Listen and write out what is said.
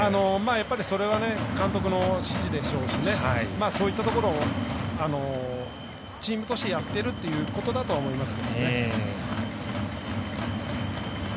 やっぱり、それは監督の指示でしょうしそういったところをチームとしてやってるということだと思います。